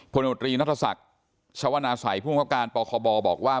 ผลโมนตรีนัฐศักดิ์ชาวนาสัยผู้มีความความความการปกครบบอกว่า